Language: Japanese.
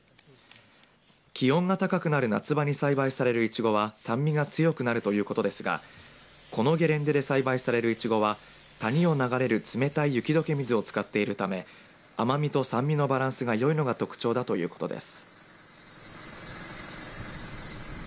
気温が高くなる夏場に栽培されるいちごは酸味が強くなるということですがこのゲレンデで栽培されるいちごは谷を流れる冷たい雪どけ水を使っているため甘みと酸味のバランスがよいのが特徴だということです。